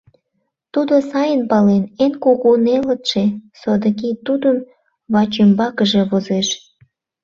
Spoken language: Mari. Тудо сайын пален, эн кугу нелытше содыки тудын вачӱмбакыже возеш.